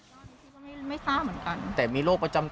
จากประวัติมันไม่มี